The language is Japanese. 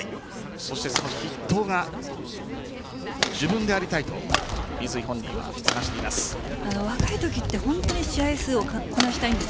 そしてその筆頭が自分でありたいと水井本人は話しています。